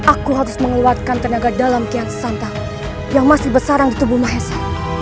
aku harus mengeluarkan tenaga dalam kian santa yang masih bersarang di tubuh mahesa